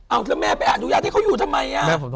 เอาแล้วแม่ไปอนุญาตให้เขาอยู่ทำไม